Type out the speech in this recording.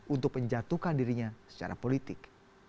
untuk menjatuhkan dirinya secara politik